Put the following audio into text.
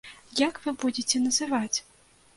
Як вы будзеце называць?